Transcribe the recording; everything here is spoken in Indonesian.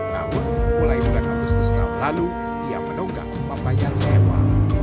namun mulai mulai agustus tahun lalu dia menunggang papayan sewa